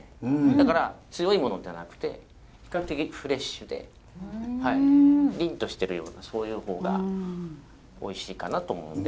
だから強いものじゃなくて比較的フレッシュでりんとしてるようなそういう方がおいしいかなと思うんで。